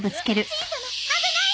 しん様危ない！